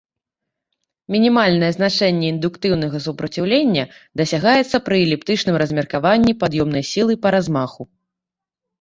Мінімальнае значэнне індуктыўнага супраціўлення дасягаецца пры эліптычным размеркаванні пад'ёмнай сілы па размаху.